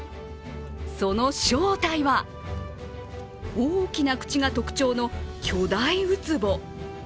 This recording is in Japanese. その正体は、大きな口が特徴の巨大うつぼ。